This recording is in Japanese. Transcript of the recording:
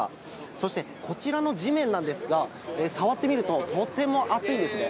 そして、こちらの地面なんですが、触ってみると、とても熱いんですね。